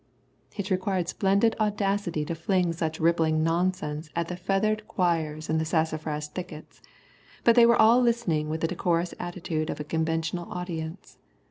It required splendid audacity to fling such rippling nonsense at the feathered choirs in the sassafras thickets, but they were all listening with the decorous attitude of a conventional audience.